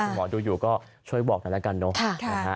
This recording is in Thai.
ถ้าคุณหมอดูอยู่ก็ช่วยบอกหน่อยละกันเนาะ